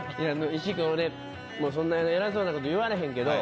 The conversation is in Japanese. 石井君俺そんな偉そうなこと言われへんけど。